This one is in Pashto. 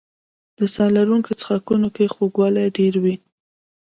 په ساه لرونکو څښاکونو کې خوږوالی ډېر وي.